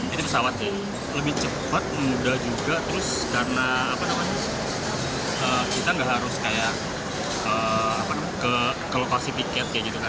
ini pesawatnya lebih cepat mudah juga terus karena kita nggak harus kayak ke lokasi pikir